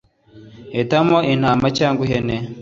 Hitamo intama cyangwe ihene